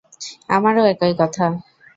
আমারও একই কথা।